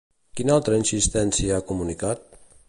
Quina altra insistència ha comunicat?